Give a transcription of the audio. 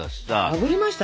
あぶりました